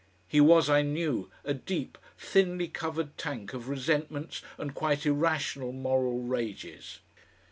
He was, I knew, a deep, thinly covered tank of resentments and quite irrational moral rages.